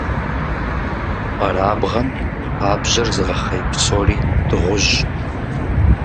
Къэрабгъэм пабжьэр зыгъэхъей псори дыгъужь.